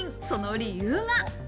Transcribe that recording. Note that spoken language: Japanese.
その理由が。